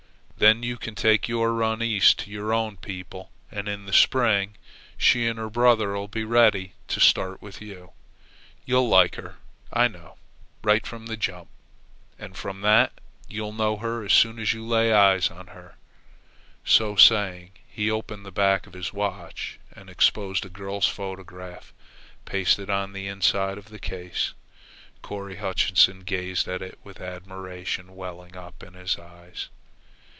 Then you can take your run east to your own people, and in the spring she and her brother'll be ready to start with you. You'll like her, I know, right from the jump; and from that, you'll know her as soon as you lay eyes on her." So saying he opened the back of his watch and exposed a girl's photograph pasted on the inside of the case. Corry Hutchinson gazed at it with admiration welling up in his eyes.